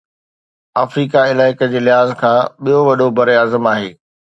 Africa علائقي جي لحاظ کان ٻيو وڏو براعظم آهي